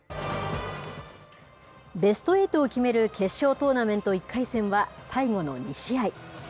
ベストエイトを決める決勝トーナメント１回戦は、最後の２試合。